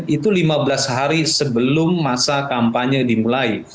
itu lima belas hari sebelum masa kampanye dimulai